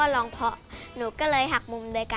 สวัสดีค่ะ